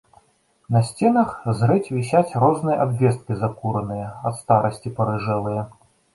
На сценах зрэдзь вісяць розныя абвесткі закураныя, ад старасці парыжэлыя.